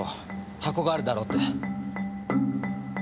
箱があるだろう」って。